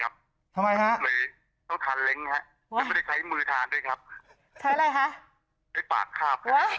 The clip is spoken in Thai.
อ่าอ่าอ่าอ่าอ่าอ่าอ่าอ่าอ่าอ่าอ่าอ่าอ่าอ่าอ่าอ่าอ่าอ่าอ่า